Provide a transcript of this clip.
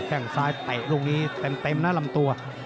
แค่งซ้ายเตะลูกนี้เต็มนะลำตัว